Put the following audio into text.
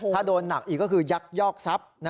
ถ้าโดนหนักอีกก็คือยักยอกทรัพย์